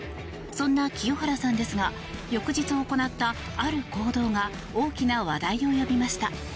そんな清原さんですが翌日行ったある行動が大きな話題を呼びました。